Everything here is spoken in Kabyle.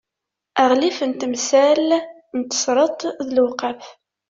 aɣlif n temsal n tesreḍt d lewqaf